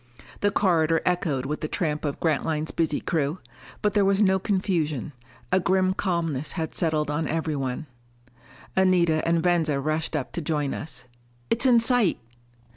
The corridor echoed with the tramp of Grantline's busy crew. But there was no confusion; a grim calmness had settled on everyone. Anita and Venza rushed up to join us. "It's in sight!"